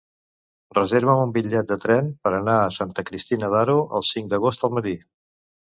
Reserva'm un bitllet de tren per anar a Santa Cristina d'Aro el cinc d'agost al matí.